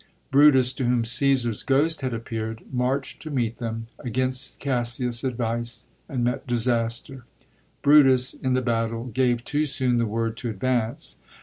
Brutus, to whom Caesar's ghost had appeard, marcht to meet them, against Cassius* advice, and met disaster. Brutus, in the battle, gave too soon the word to advance.